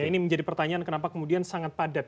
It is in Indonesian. ini menjadi pertanyaan kenapa kemudian sangat padat